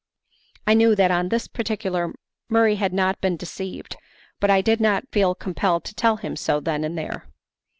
I knew that on this particular Murray had not been deceived, but I did not feel compelled to tell him so then and there.